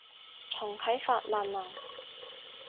重啟法萬能